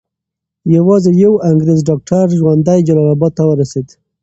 یوازې یو انګریز ډاکټر ژوندی جلال اباد ته ورسېد.